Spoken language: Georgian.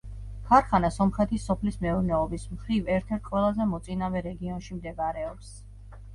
ქარხანა სომხეთის სოფლის მეურნეობის მხრივ ერთ-ერთ ყველაზე მოწინავე რეგიონში მდებარეობს.